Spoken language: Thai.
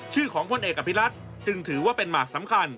ชื่อของพลเอกอภิรัตจึงถือว่าเป็นหมากสำคัญ